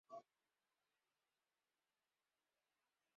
Emissaries were sent out to kidnap strangers from other territories.